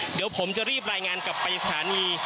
เดี๋ยวผมจะรีบรายงานกับปริศาลี